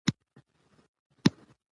مصدر له فعل څخه جوړېږي.